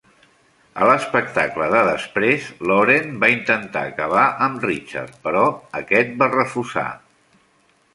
A l"espectacle de després, Lauren va intentar acabar amb Richard, però aquest va refusar.